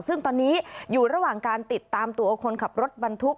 ซึ่งตอนนี้อยู่ระหว่างการติดตามตัวคนขับรถบรรทุก